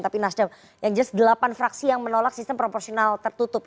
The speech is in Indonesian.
tapi nasdem yang jelas delapan fraksi yang menolak sistem proporsional tertutup